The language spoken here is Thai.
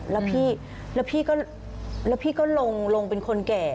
แล้วพี่ก็ลงเป็นคนแก่